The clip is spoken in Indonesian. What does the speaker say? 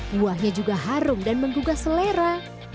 buahnya juga harum dan menggugah selera